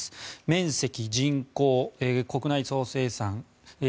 面積、人口、ＧＤＰ・国内総生産